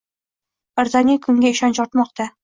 Ertangi kunga ishonch ortmoqda